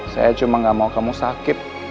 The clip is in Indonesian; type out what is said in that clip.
saya cuma gak mau kamu sakit